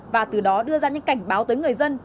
và từ đó đưa ra những cảnh báo tới người dân